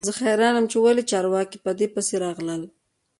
زه حیران یم چې ولې چارواکي په دې پسې راغلل